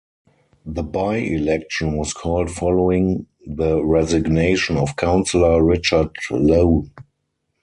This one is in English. The by-election was called following the resignation of Councillor Richard Lowe.